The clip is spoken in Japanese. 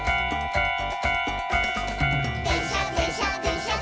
「でんしゃでんしゃでんしゃっ